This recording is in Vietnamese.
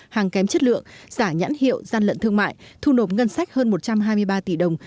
hàng kém chất lượng giả nhãn hiệu gian lận thương mại thu nộp ngân sách hơn một trăm hai mươi ba tỷ đồng